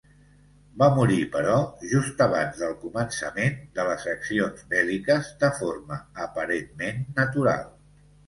Va morir, però, just abans del començament de les accions bèl·liques de forma aparentment natural.